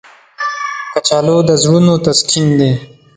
کچالو د زړونو تسکین دی